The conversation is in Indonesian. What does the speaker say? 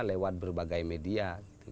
lewat berbagai media